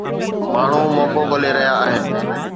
ماڻهو موقعو ڳولي رهيا آهن.